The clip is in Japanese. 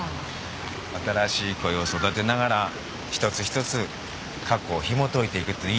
新しい恋を育てながら一つ一つ過去をひもといていくっていいじゃない？